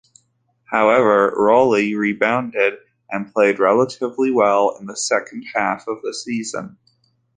However Rolle rebounded and played relatively well in the second half of the season.